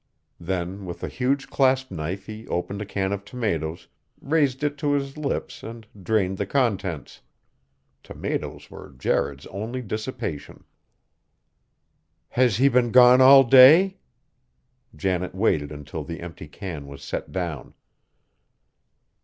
Then with a huge clasp knife he opened a can of tomatoes, raised it to his lips and drained the contents. Tomatoes were Jared's only dissipation. "Has he been gone all day?" Janet waited until the empty can was set down.